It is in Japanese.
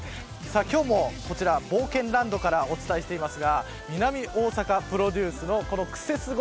今日もこちら冒険ランドからお伝えしていますが南大阪カップルプロデュースのクセスゴ！